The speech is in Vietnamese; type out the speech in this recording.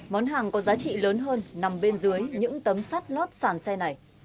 món hàng có giá trị lớn hơn nằm bên dưới những tấm sắt lót sàn xe này